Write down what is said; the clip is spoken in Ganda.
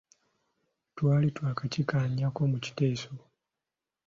Twali twakikkaanyaako mu kiteeso.